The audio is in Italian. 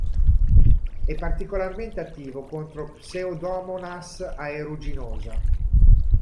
È particolarmente attivo contro "Pseudomonas aeruginosa".